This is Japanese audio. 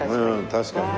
確かに。